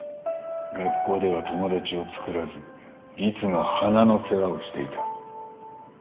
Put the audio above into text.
学校では友達をつくらずいつも花の世話をしていた。